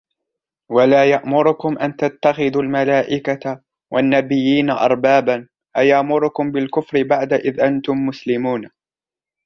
وَلَا يَأْمُرَكُمْ أَنْ تَتَّخِذُوا الْمَلَائِكَةَ وَالنَّبِيِّينَ أَرْبَابًا أَيَأْمُرُكُمْ بِالْكُفْرِ بَعْدَ إِذْ أَنْتُمْ مُسْلِمُونَ